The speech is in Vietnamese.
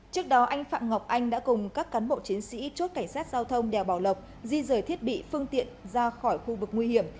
trước đó anh phạm ngọc anh đã cùng các cán bộ chiến sĩ chốt cảnh sát giao thông đèo bảo lộc di rời thiết bị phương tiện ra khỏi khu vực nguy hiểm